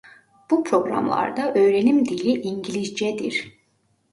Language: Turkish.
Bu programlarda öğrenim dili İngilizcedir.